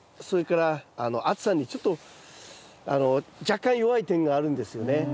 それから暑さにちょっと若干弱い点があるんですよね。